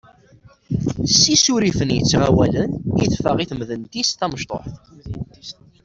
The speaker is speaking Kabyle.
S yisurrifen yettɣawalen i teffeɣ i temdint-is tamecṭuḥt.